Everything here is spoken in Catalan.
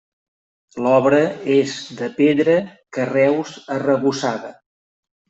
L'obra és de pedra -carreus- arrebossada.